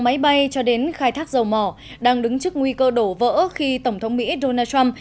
máy bay cho đến khai thác dầu mỏ đang đứng trước nguy cơ đổ vỡ khi tổng thống mỹ donald trump